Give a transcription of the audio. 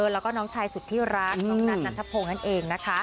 แล้วก็น้องชายสุธิรักษ์นัทนัทภพงศ์นั่นเองนะคะ